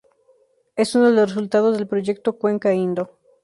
Es uno de los resultados del Proyecto Cuenca Indo.